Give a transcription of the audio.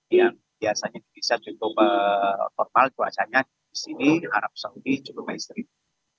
yang biasanya bisa cukup normal cuacanya di sini arab saudi cukup ekstrim